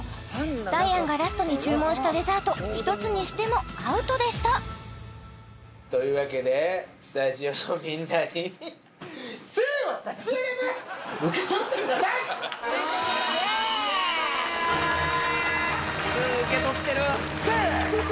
ダイアンがラストに注文したデザート１つにしてもアウトでしたというわけでスタジオのみんなによっしゃー！